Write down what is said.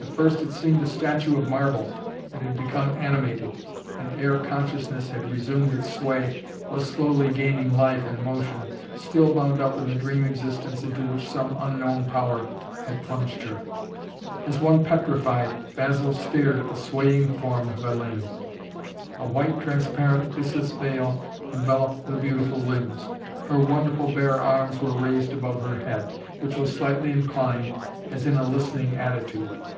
At first it seemed a statue of marble that had become animated and, ere consciousness had resumed its sway, was slowly gaining life and motion, still bound up in the dream existence into which some unknown power had plunged her. As one petrified, Basil stared at the swaying form of Hellayne. A white transparent byssus veil enveloped the beautiful limbs. Her wonderful bare arms were raised above her head, which was slightly inclined, as in a listening attitude.